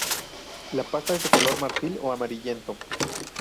La pasta es de color marfil o amarillento.